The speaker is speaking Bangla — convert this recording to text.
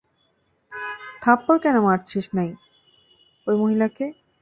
থাপ্পড় কেন মারছিস নাই ওই মহিলাকে?